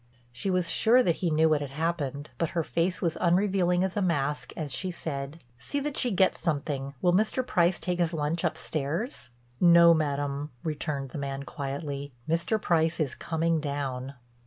She was sure that he knew what had happened, but her face was unrevealing as a mask, as she said: "See that she gets something. Will Mr. Price take his lunch upstairs?" "No, Madam," returned the man quietly, "Mr. Price is coming down."